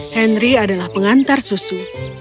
henry adalah pengantar susu